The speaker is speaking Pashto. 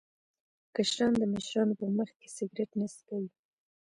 کشران د مشرانو په مخ کې سګرټ نه څکوي.